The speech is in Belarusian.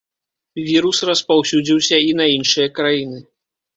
Вірус распаўсюдзіўся і на іншыя краіны.